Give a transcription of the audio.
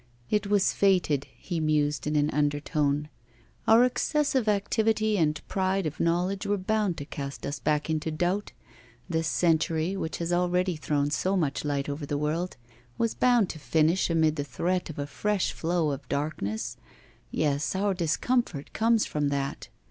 'It was fated,' he mused in an undertone. 'Our excessive activity and pride of knowledge were bound to cast us back into doubt. This century, which has already thrown so much light over the world, was bound to finish amid the threat of a fresh flow of darkness yes, our discomfort comes from that!